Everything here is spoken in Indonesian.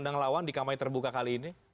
ada yang melawan di kampanye terbuka kali ini